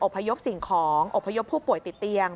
พยพสิ่งของอบพยพผู้ป่วยติดเตียง